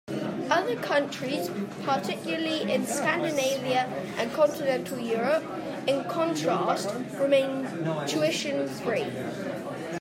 Other countries, particularly in Scandinavia and continental Europe, in contrast remained tuition-free.